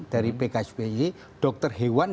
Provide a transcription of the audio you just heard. dari pksbc dokter hewan